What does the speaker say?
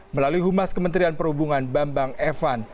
melalui humas kementerian perhubungan bambang evan